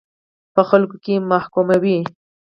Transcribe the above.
په خلکو کې محکوموي.